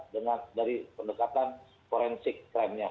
dari pendekatan forensik krimnya